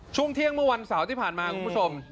ช่วงเที่ยงเมื่อวันเสาร์ที่ผ่านมาคุณผู้ชม